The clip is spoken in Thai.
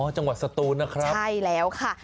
จังหวัดสตูนนะครับใช่แล้วค่ะ